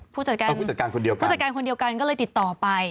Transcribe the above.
ผู้จัดการคนเดียวกันผู้จัดการคนเดียวกันก็เลยติดต่อไป